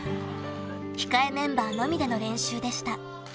控えメンバーのみでの練習でした。